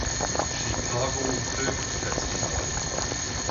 Chicago Film Festival.